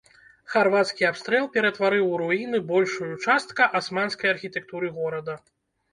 Харвацкі абстрэл ператварыў у руіны большую частка асманскай архітэктуры горада.